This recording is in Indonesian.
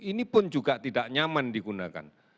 ini pun juga tidak nyaman digunakan